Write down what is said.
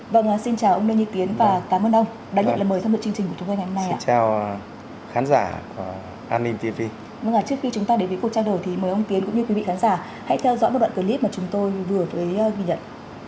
vâng xin chào ông lê như tiến và cảm ơn ông đã nhận lần mời thăm được chương trình của chúng tôi ngày hôm nay